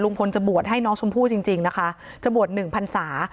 จะบวชให้น้องชมพู่จริงนะคะจะบวชหนึ่งพันศา